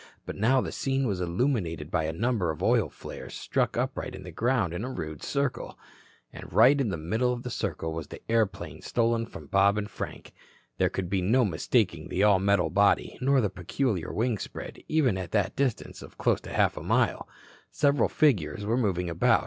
But now the scene was illuminated by a number of oil flares stuck upright in the ground in a rude circle. And right in the middle of the circle was the airplane stolen from Bob and Frank. There could be no mistaking the all metal body nor the peculiar wing spread, even at that distance of close to half a mile. Several figures were moving about.